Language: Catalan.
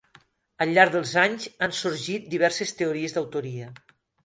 Al llarg dels anys han sorgit diverses teories d'autoria.